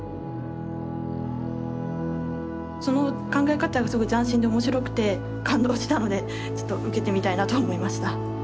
その考え方がすごい斬新で面白くて感動したのでちょっと受けてみたいなと思いました。